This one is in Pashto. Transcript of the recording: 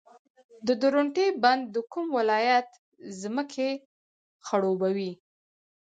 د درونټې بند د کوم ولایت ځمکې خړوبوي؟